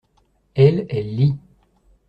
Elle, elle lit.